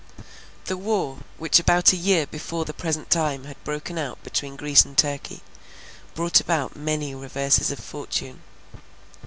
The war, which about a year before the present time had broken out between Greece and Turkey, brought about many reverses of fortune.